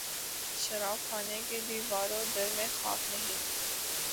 شراب خانہ کے دیوار و در میں خاک نہیں